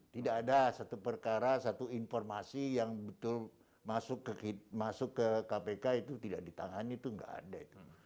tidak ada satu perkara satu informasi yang betul masuk ke kpk itu tidak ditangani itu tidak ada itu